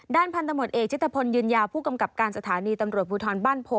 พันธมตเอกชิตภพลยืนยาวผู้กำกับการสถานีตำรวจภูทรบ้านโพ